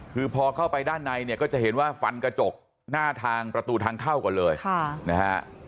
คือพอเข้าไปด้านในเนี่ยก็จะเห็นว่าฟันกระจกหน้าทางประตูทางเข้าก่อนเลยนะฮะ